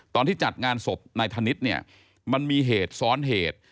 ตอนที่จัดงานศพนายธนิษฐ์เนี่ยมันมีเหตุซ้อนเหตุ